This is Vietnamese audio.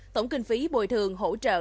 tổng kinh phí bồi thường hỗ trợ